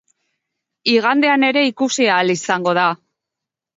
Igandean ere ikusi ahal izango da.